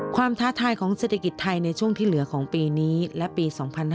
ท้าทายของเศรษฐกิจไทยในช่วงที่เหลือของปีนี้และปี๒๕๕๙